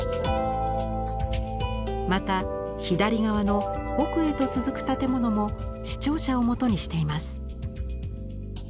また左側の奥へと続く建物も市庁舎を元にしています。